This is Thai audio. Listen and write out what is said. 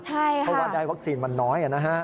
ใช่ค่ะเพราะว่าได้วัคซีนมันน้อยนะฮะ